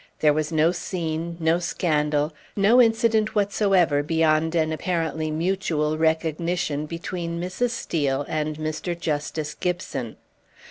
There was no scene, no scandal, no incident whatsoever beyond an apparently mutual recognition between Mrs. Steel and Mr. Justice Gibson.